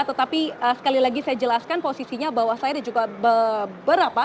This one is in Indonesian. tetapi sekali lagi saya jelaskan posisinya bahwa saya ada juga beberapa